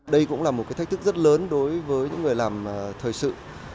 đây cũng là một cái thách thức rất lớn đối với những người làm thời sự